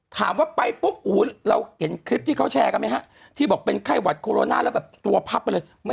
ถามว่าไปปุ๊บเราเห็นคลิปที่เขาแชร์กันไหมฮะที่บอกเป็นไข้หวัดโคโรนาแล้วแบบตัวพับไปเลย